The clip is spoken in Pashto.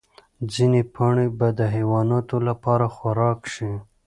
ځینې پاڼې به د حیواناتو لپاره خوراک شي.